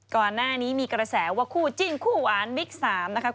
ก่อนหน้านี้มีกระแสว่าคู่จิ้นคู่หวานบิ๊กสามนะคะ